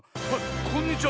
こんにちは